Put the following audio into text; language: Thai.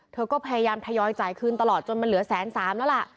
เธอก็พยายามทยอยจ่ายคืนตลอดจนมันเหลือแสนสามแล้วล่ะ